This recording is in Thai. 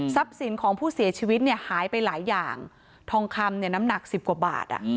สินของผู้เสียชีวิตเนี่ยหายไปหลายอย่างทองคำเนี่ยน้ำหนักสิบกว่าบาท